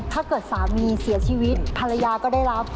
ถ้าเกิดสามีเสียชีวิตภรรยาก็ได้รับ